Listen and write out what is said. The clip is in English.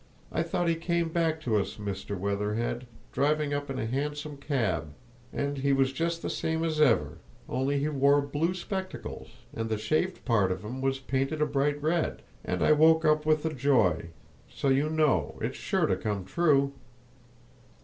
I thought he came back to us, Mr. Weatherhead, driving up in a hansom cab, and he was just the same as ever—only he wore blue spectacles, and the shaved part of him was painted a bright red. And I woke up with the joy—so, you know, it's sure to come true!"